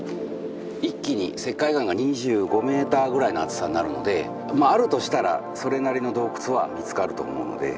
一気に石灰岩が２５ｍぐらいの厚さになるのであるとしたらそれなりの洞窟は見つかると思うので。